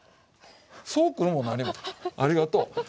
そうくるもなにもありがとう。